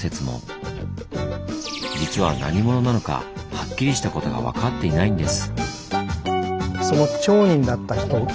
実は何者なのかはっきりしたことが分かっていないんです。